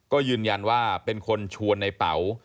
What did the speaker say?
ก็ยืนยันว่าเป็นคนชวนในเป๋า